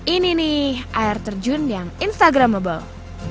ini nih air terjun yang instagramable